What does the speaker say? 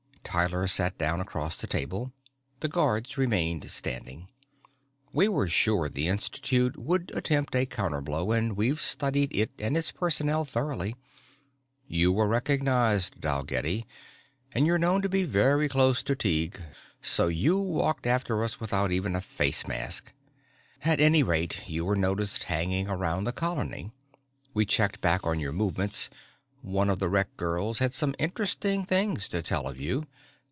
Tyler sat down across the table. The guards remained standing. "We were sure the Institute would attempt a counterblow and we've studied it and its personnel thoroughly. You were recognized, Dalgetty and you're known to be very close to Tighe. So you walked after us without even a face mask.... "At any rate, you were noticed hanging around the colony. We checked back on your movements. One of the rec girls had some interesting things to tell of you.